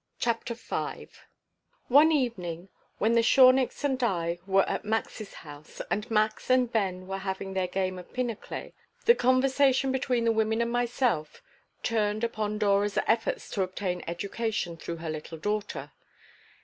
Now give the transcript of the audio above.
CHAPTER V ONE evening, when the Shorniks and I were at Max's house, and Max and Ben were having their game of pinochle, the conversation between the women and myself turned upon Dora's efforts to obtain education through her little daughter.